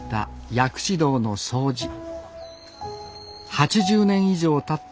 ８０年以上たった